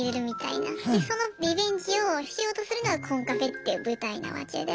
でそのリベンジをしようとするのがコンカフェっていう舞台なわけで。